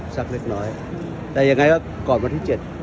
สักเล็กน้อยแต่ยังไงก็ก่อนวันที่เจ็ด